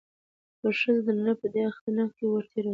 خو ښځه د نارينه په دې اختناق کې که وړه تېروتنه هم وکړي